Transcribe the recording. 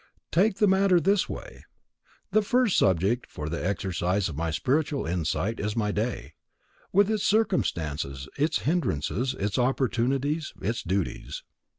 Take the matter this way: The first subject for the exercise of my spiritual insight is my day, with its circumstances, its hindrances, its opportunities, its duties.